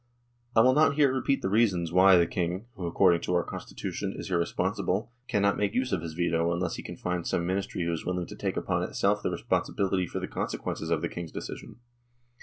I will not here repeat the reasons why the King, who, according to our Constitution, is irresponsible, cannot make use of his veto unless he can find some Ministry who is willing to take upon itself the responsibility for the consequences of the King's decision.